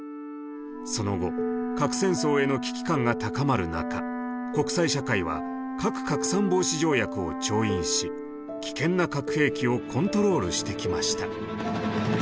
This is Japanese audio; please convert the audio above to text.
その後核戦争への危機感が高まる中国際社会は核拡散防止条約を調印し危険な核兵器をコントロールしてきました。